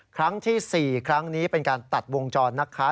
ครั้งที่๔ครั้งนี้เป็นการตัดวงจรนะคะ